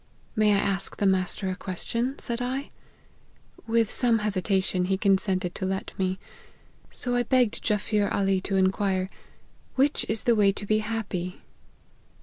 * May I ask the master a question ?' said I. With some hesitation he consented to let me : so I begged Jaffier Ali to inquire, ' Which is the* way to be happy